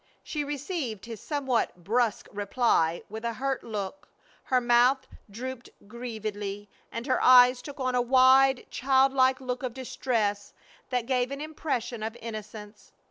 She received his somewhat brusque reply with a hurt look, her mouth drooped grievedly, and her eyes took on a wide, child like look of distress that gave an impression of innocence.